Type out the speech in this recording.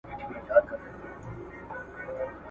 د سياست انحصار بايد په بشپړه توګه له منځه يوړل سي.